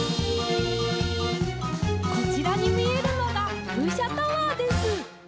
こちらにみえるのがふうしゃタワーです。